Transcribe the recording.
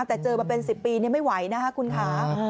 แต่เจอมาเป็น๑๐ปีไม่ไหวนะคะคุณค่ะ